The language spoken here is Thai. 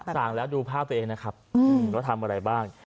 สั่งแล้วดูภาพตัวเองนะครับว่าทำอะไรบ้าง